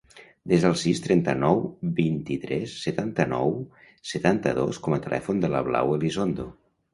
Desa el sis, trenta-nou, vint-i-tres, setanta-nou, setanta-dos com a telèfon de la Blau Elizondo.